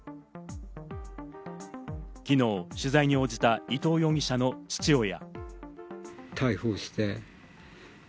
昨日、取材に応じた伊藤容疑者の父親。